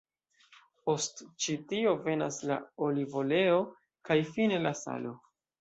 Post ĉi tio venas la olivoleo, kaj fine la salo.